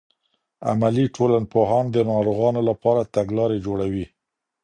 عملي ټولنپوهان د ناروغانو لپاره تګلارې جوړوي.